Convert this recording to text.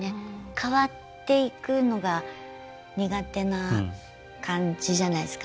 変わっていくのが苦手な感じじゃないですか。